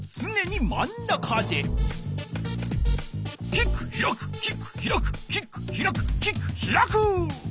キックひらくキックひらくキックひらくキックひらく！